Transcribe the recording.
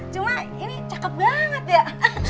cuma ini cakep banget ya